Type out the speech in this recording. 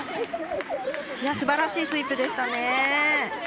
すばらしいスイープでしたね。